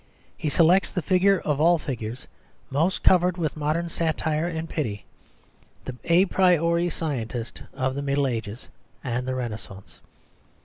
He selects the figure of all figures most covered with modern satire and pity, the à priori scientist of the Middle Ages and the Renaissance.